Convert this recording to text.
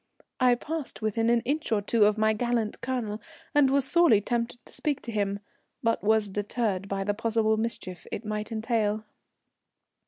I passed within an inch or two of my gallant Colonel and was sorely tempted to speak to him, but was deterred by the possible mischief it might entail.